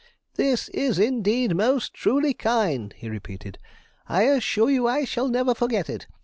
'This is, indeed, most truly kind,' he repeated; 'I assure you I shall never forget it.